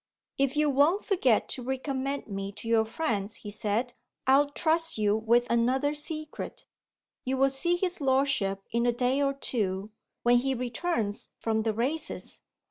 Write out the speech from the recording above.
"If you won't forget to recommend me to your friends," he said, "I'll trust you with another secret. You will see his lordship in a day or two, when he returns from the races.